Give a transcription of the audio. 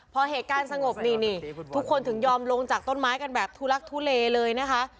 พอเหตุการณ์สงบนี่นี่ทุกคนถึงยอมลงจากต้นไม้กันแบบทุลักทุเลเลยนะคะ